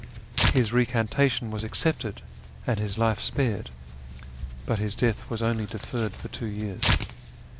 His recantation was accepted and his life spared, but his death was only deferred for two years.